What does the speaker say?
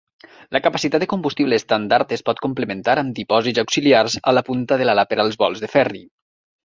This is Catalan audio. La capacitat de combustible estàndard es pot complementar amb dipòsits auxiliars a la punta de l'ala per als vols de ferri.